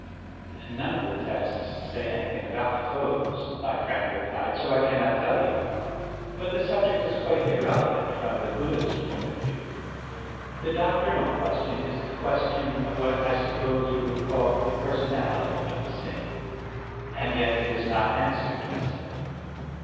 "None of the texts say anything about the clothes," my friend replied: "so I cannot tell you. But the subject is quite irrelevant, from the Buddhist point of view. The doctrinal question is the question of what I suppose you would call the personality of Ts'ing." "And yet it is not answered," I said.